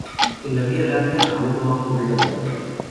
En la vía láctea aun no ha ocurrido nada.